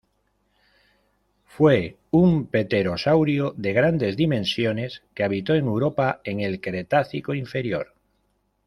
Fue un pterosaurio de grandes dimensiones que habitó Europa en el Cretácico Inferior.